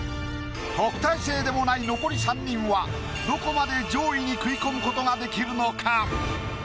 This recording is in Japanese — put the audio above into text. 特待生でもない残り３人はどこまで上位に食い込むことができるのか？